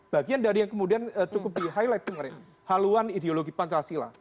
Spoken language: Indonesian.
bagian dari yang kemudian cukup di highlight kemarin haluan ideologi pancasila